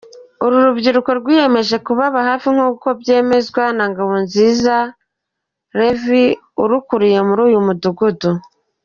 Uru rubyiruko rwiyemeje kubaba hafi nkuko byemezwa na Ngabonziza Lyevin urukuriye muri uyu mudugudu.